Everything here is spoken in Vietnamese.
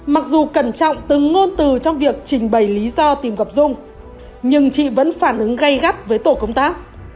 mặc dù cẩn trọng từng ngôn từ trong việc trình bày lý do tìm gặp dung nhưng chị vẫn phản ứng gây gắt với tổ công tác